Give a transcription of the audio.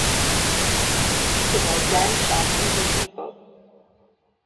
It's about giant sharks eating people.